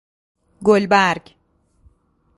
گلبرگ